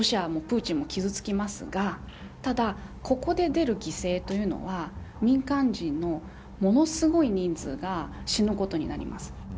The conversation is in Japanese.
ロシアのプーチンも傷つきますがただ、ここで出る犠牲というのは民間人のものすごい人数が死ぬことになります。